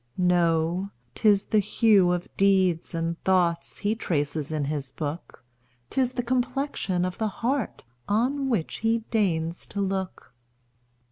No; 'tis the hue of deeds and thoughts He traces in his book; 'Tis the complexion of the heart On which He deigns to look.